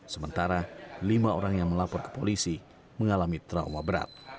sementara lima orang yang melapor ke polisi mengalami trauma berat